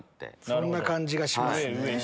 そんな感じがしますね。